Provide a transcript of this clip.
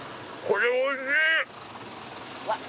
これおいしい！